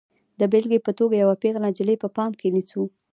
د بېلګې په توګه یوه پیغله نجلۍ په پام کې نیسو.